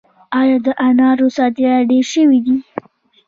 آیا د انارو صادرات ډیر شوي دي؟